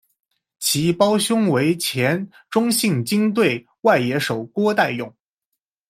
其胞兄为前中信鲸队外野手郭岱咏。